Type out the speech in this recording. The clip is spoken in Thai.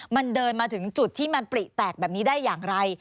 มันเดินมาถึงจุดที่มันปริแตกแบบนี้ได้อย่างไร